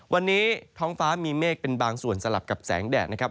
วันนี้ท้องฟ้ามีเมฆเป็นบางส่วนสลับกับแสงแดดนะครับ